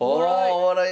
お笑い